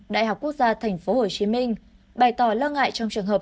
đại học quốc gia tp hcm bày tỏ lo ngại trong trường hợp